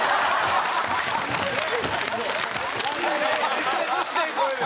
めっちゃちっちゃい声で。